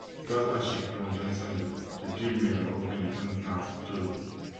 Twice has she condescended to give me her opinion unasked too!